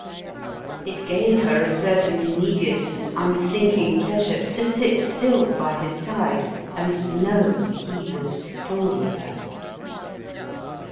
It gave her a certain immediate and unthinking pleasure to sit still by his side and know he was full of her.